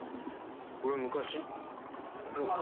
これ昔の。